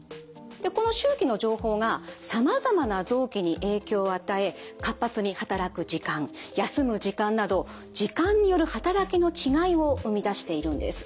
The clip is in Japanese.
でこの周期の情報がさまざまな臓器に影響を与え活発に働く時間休む時間など時間による働きの違いを生み出しているんです。